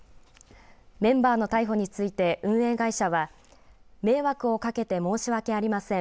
メンバーの逮捕について運営会社は迷惑をかけて申し訳ありません。